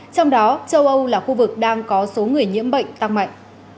trong đó châu âu là khu vực đang có số người nhiễm bệnh tăng mạnh